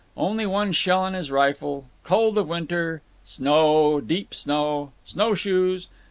Only one shell in his rifle. Cold of winter. Snow—deep snow. Snow shoes.